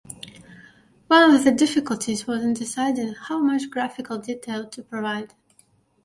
One of the difficulties was in deciding how much graphical detail to provide.